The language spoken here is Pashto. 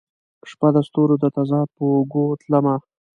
شپه د ستورو د تضاد په اوږو تلمه